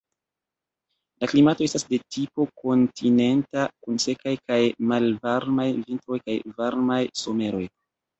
La klimato estas de tipo kontinenta, kun sekaj kaj malvarmaj vintroj kaj varmaj someroj.